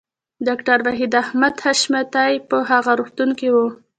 ډاکټر وحید احمد حشمتی په هغه روغتون کې و